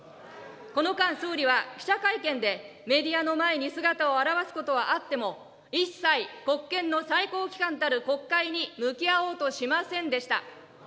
この間、総理は記者会見で、メディアの前に姿を現すことはあっても一切、国権の最高機関たる国会に向き合おうとはしませんでした。